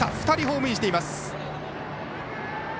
２人、ホームインしています。